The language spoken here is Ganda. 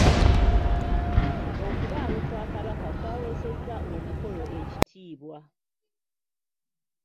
Okubaawo kwa kabaka kw'aweesezza omukolo ekitiibwa.